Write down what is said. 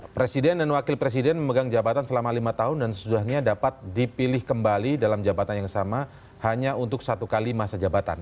presiden dan wakil presiden memegang jabatan selama lima tahun dan sesudahnya dapat dipilih kembali dalam jabatan yang sama hanya untuk satu kali masa jabatan